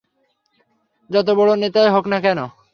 যত বড় নেতাই হোক না কেন।